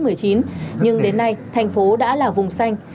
nhưng đến nay tp hcm đã là vùng xanh